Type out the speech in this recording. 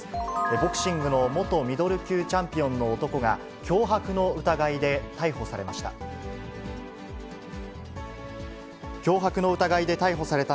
ボクシングの元ミドル級チャンピオンの男が、脅迫の疑いで逮捕されました。